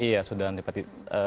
iya sudah antipati